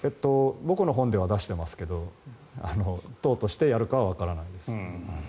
僕の本では出していますが党としてやるかはわからないです。